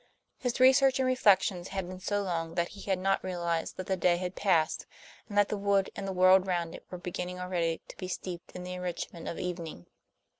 His researches and reflections had been so long that he had not realized that the day had passed and that the wood and the world round it were beginning already to be steeped in the enrichment of evening.